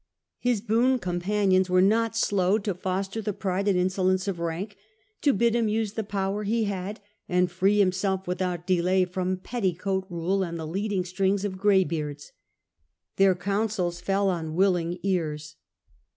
His boon companions were not slow to foster the pride and insolence of rank, to bid him use the power he had, and free himself without delay from petticoat rule and the leading strings of greybeards. Their counsels fell on willing ears.